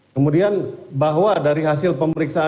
kemudian bahwa dari hasil pemeriksaan